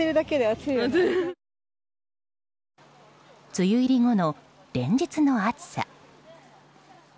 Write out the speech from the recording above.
梅雨入り後の連日の暑さ。